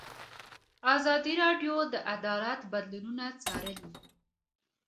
ازادي راډیو د عدالت بدلونونه څارلي.